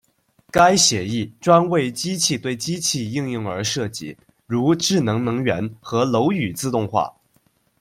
该协议专为机器对机器应用而设计，如智能能源和楼宇自动化。